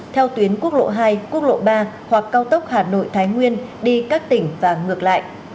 theo tuyến quốc lộ hai quốc lộ ba hoặc cao tốc hà nội thái nguyên đi các tỉnh và ngược lại